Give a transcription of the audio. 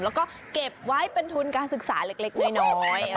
แล้วก็เก็บไว้เป็นทุนการศึกษาเล็กน้อย